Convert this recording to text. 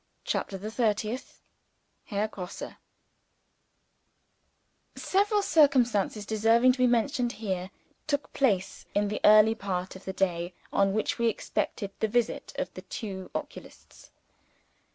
CHAPTER THE THIRTIETH Herr Grosse SEVERAL circumstances deserving to be mentioned here, took place in the early part of the day on which we expected the visit of the two oculists.